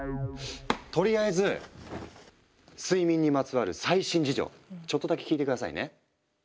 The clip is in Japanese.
とりあえず睡眠にまつわる最新事情ちょっとだけ聞いて下さいね。